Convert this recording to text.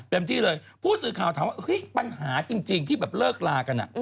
ที่เลยผู้สื่อข่าวถามว่าเฮ้ยปัญหาจริงที่แบบเลิกลากัน